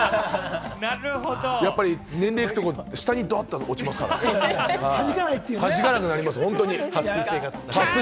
やっぱり年齢行くと、下にドッと落ちますから、弾かなくなりますよ、本当に。